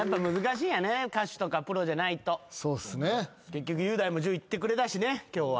結局雄大も１０いってくれたしね今日は。